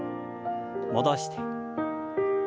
戻して。